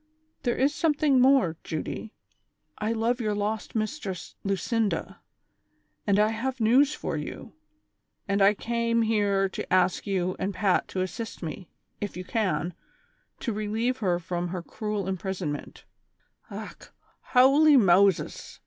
" There is something more, Judy ; I love your lost Mistress Lucinda, and I have news for you, and I came here to ask you and Pat to assist me, if you can, to relieve her from her cruel imprisonment "—" Och, howly Moses